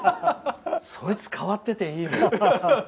そいつ変わってていいな。